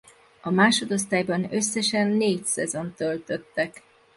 A másodosztályban összesen négy szezont töltöttek.